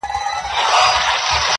ما و شیخ بېګا له یو خومه چيښله،